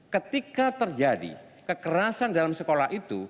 ketika terjadi kekerasan dalam sekolah itu